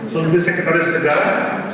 menteri sekretaris negara